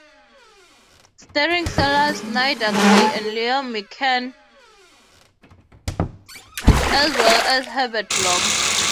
Starring Sellers, Nadia Gray and Leo McKern, as well as Herbert Lom.